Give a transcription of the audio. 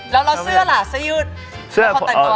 แล้วเราซื้อล่ะซื้อยืด